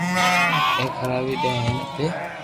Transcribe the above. ني کراوي دي ھين اپي